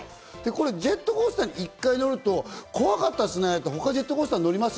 これジェットコースター１回乗ると、怖かったですね、他の乗ります？